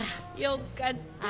よかった。